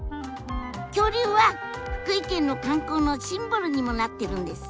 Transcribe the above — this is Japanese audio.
恐竜は福井県の観光のシンボルにもなってるんです。